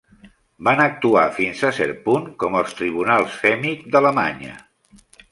Van actuar fins a cert punt com els tribunals Fehmic d'Alemanya.